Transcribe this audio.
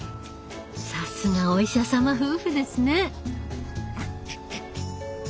さすがお医者様夫婦ですね。